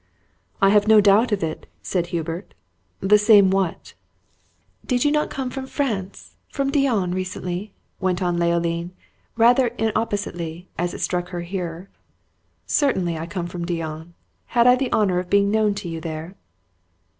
"I have no doubt of it," said Hubert. "The same what?" "Did you not come from France from Dijon, recently?" went on Leoline, rather inappositely, as it struck her hearer. "Certainly I came from Dijon. Had I the honor of being known to you there?"